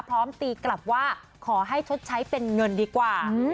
ตีกลับว่าขอให้ชดใช้เป็นเงินดีกว่า